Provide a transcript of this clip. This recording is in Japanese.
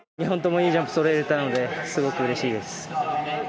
２本ともいいジャンプそろえれたのですごくうれしいです。